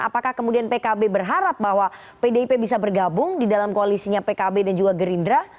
apakah kemudian pkb berharap bahwa pdip bisa bergabung di dalam koalisinya pkb dan juga gerindra